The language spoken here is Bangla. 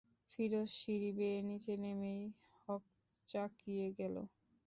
ফিরোজ সিঁড়ি বেয়ে নিচে নেমেই হকচাকিয়ে গেল!